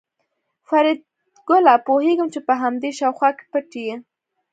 فریدګله پوهېږم چې په همدې شاوخوا کې پټ یې